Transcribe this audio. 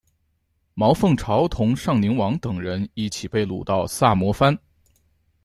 毛凤朝同尚宁王等人一起被掳到萨摩藩。